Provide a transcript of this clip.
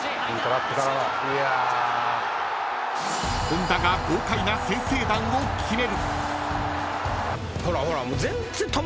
［本田が豪快な先制弾を決める］